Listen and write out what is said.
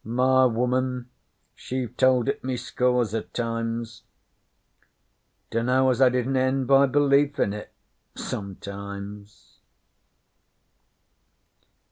'My woman she've told it me scores o' times. Dunno as I didn't end by belieftin' it sometimes.'